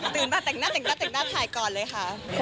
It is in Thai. ตื่นมาแต่งหน้าถ่ายก่อนเลยค่ะ